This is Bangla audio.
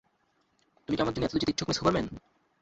তুমি কি আমাদের জন্য এতদূর যেতে ইচ্ছুক, মিস হুবারম্যান?